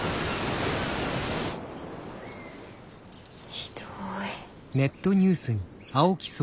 ひどい。